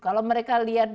kalau mereka lihat